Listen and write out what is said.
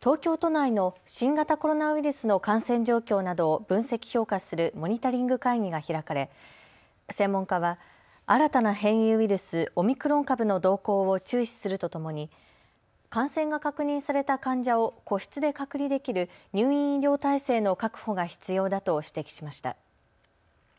東京都内の新型コロナウイルスの感染状況などを分析・評価するモニタリング会議が開かれ専門家は新たな変異ウイルス、オミクロン株の動向を注視するとともに感染が確認された患者を個室で隔離できる入院医療体制の確保が必要だと指摘しました。